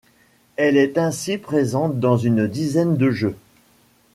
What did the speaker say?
Elle est ainsi présente dans une dizaine de jeux.